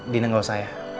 dina gak usah ya